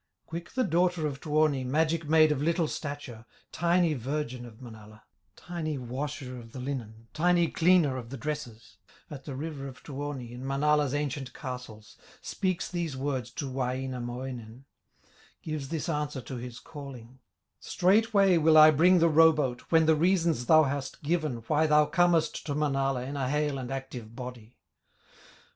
Quick the daughter of Tuoni, Magic maid of little stature, Tiny virgin of Manala, Tiny washer of the linen, Tiny cleaner of the dresses, At the river of Tuoni, In Manala's ancient castles, Speaks these words to Wainamoinen, Gives this answer to his calling: "Straightway will I bring the row boat, When the reasons thou hast given Why thou comest to Manala In a hale and active body."